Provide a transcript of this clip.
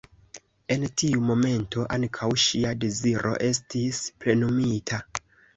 En tiu momento ankaŭ ŝia deziro estis plenumita.